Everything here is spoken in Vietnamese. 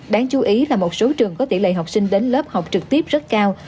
đáng chú ý là một số trường có tỷ lệ học sinh đến lớp học trực tiếp rất cao